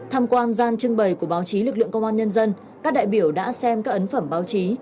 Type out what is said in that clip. tham quan gian trưng bày của báo chí lực lượng công an nhân dân các đại biểu đã xem các ấn phẩm báo chí